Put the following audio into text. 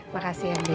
makasih ya be